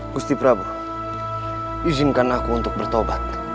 bustik bapak izinkan aku untuk bertobat